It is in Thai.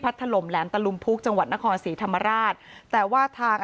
ถล่มแหลมตะลุมพุกจังหวัดนครศรีธรรมราชแต่ว่าทาง